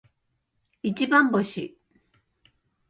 一番星